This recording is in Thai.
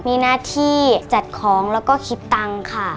มีหน้าที่จัดของแล้วก็คิดตังค์ค่ะ